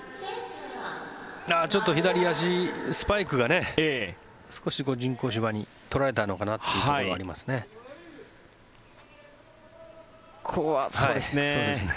ちょっと左足、スパイクが少し人工芝に取られたのかなというところがありますね。